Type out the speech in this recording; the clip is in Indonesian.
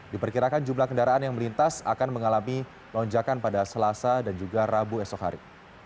diperkirakan jumlah kendaraan yang melintas akan mengalami lonjakan pada selasa dan juga rabu esok hari